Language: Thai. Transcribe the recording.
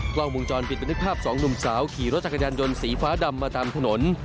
กล้องวงจรปิดบันทึกภาพสองหนุ่มสาวขี่รถจักรยานยนต์สีฟ้าดำมาตามถนน